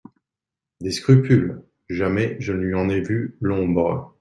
«De scrupules, jamais je ne lui en ai vu l'ombre.